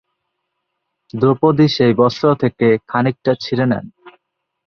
দ্রৌপদী সেই বস্ত্র থেকে খানিকটা ছিঁড়ে নেন।